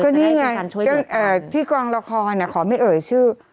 ก็นี่ไงที่กองละครขอไม่เอ่ยชื่อ